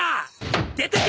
出てけ！